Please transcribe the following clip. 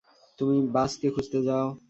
তুমি বাযকে খুঁজতে যাও।